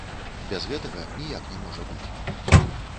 Без гэтага ніяк не можа быць.